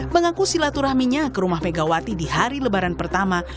mengaku silaturahminya ke rumah megawati di hari lebaran pertama